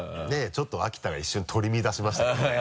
ちょっと秋田が一瞬取り乱しましたけどね。